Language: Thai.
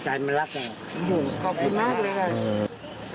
ใจมรรยัก